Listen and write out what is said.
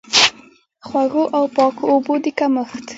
خوړو او پاکو اوبو د کمښت.